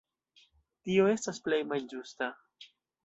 Tio estas plej malĝusta.